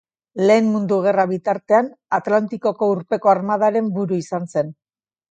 Lehen Mundu Gerra bitartean Atlantikoko urpeko armadaren buru izan zen.